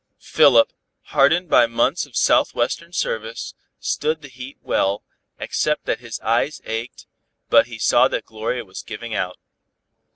Philip, hardened by months of Southwestern service, stood the heat well, except that his eyes ached, but he saw that Gloria was giving out.